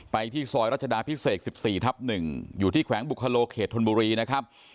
ที่ซอยรัชดาพิเศษ๑๔ทับ๑อยู่ที่แขวงบุคโลเขตธนบุรีนะครับ